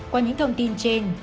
qua những thông tin trên